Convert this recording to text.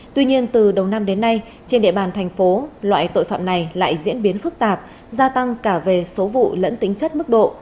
tuy nhiên từ đầu năm đến nay trên địa bàn thành phố loại tội phạm này lại diễn biến phức tạp gia tăng cả về số vụ lẫn tính chất mức độ